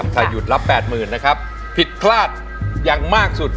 ถ้าหยุดรับ๘๐๐๐นะครับผิดพลาดอย่างมากสุด